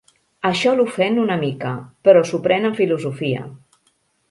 Això l'ofèn una mica, però s'ho pren amb filosofia.